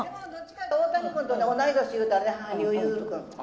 大谷君と同い年いうたら羽生結弦君。